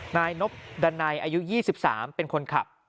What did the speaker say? นายนบดันไนอายุ๒๓เป็นคนขับ